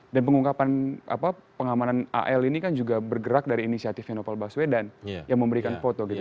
dan pengungkapan pengamanan al ini kan juga bergerak dari inisiatif novel baswedan yang memberikan foto gitu